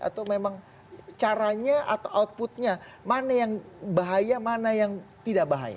atau memang caranya atau outputnya mana yang bahaya mana yang tidak bahaya